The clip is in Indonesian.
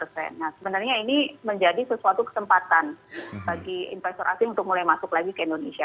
sebenarnya ini menjadi sesuatu kesempatan bagi investor asing untuk mulai masuk lagi ke indonesia